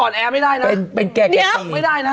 อ่อนแอไม่ได้นะ